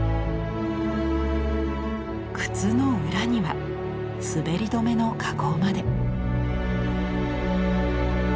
靴の裏には滑り止めの加工まで。